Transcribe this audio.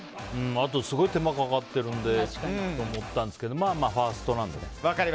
すごい手間がかかっているのでと思ったんですがまあ、まだファーストなので。